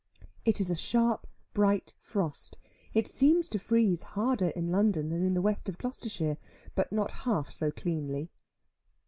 It is a sharp bright frost it seems to freeze harder in London than in the west of Gloucestershire, but not half so cleanly.